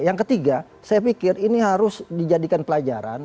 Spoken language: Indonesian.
yang ketiga saya pikir ini harus dijadikan pelajaran